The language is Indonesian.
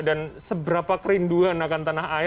dan seberapa kerinduan akan tanah air